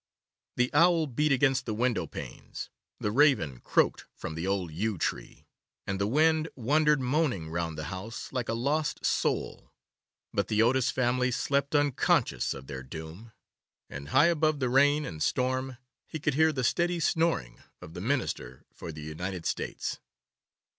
The owl beat against the window panes, the raven croaked from the old yew tree, and the wind wandered moaning round the house like a lost soul; but the Otis family slept unconscious of their doom, and high above the rain and storm he could hear the steady snoring of the Minister for the United States.